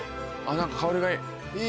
何か香りがいい。